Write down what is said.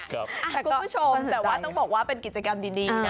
คุณผู้ชมแต่ว่าต้องบอกว่าเป็นกิจกรรมดีนะ